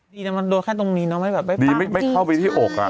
ดีนะมันโดดแค่ตรงนี้ไม่เข้าไปที่อก